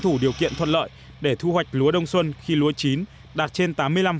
đủ điều kiện thuận lợi để thu hoạch lúa đông xuân khi lúa chín đạt trên tám mươi năm